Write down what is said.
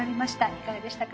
いかがでしたか？